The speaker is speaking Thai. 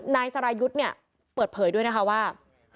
นายสรายุทธ์เนี่ยเปิดเผยด้วยนะคะว่า